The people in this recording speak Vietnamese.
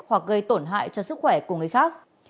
hoặc gây tổn hại cho sức khỏe của người khác